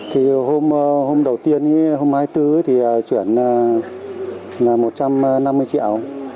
thì hôm đầu tiên hôm hai mươi bốn thì chuyển là một trăm năm mươi triệu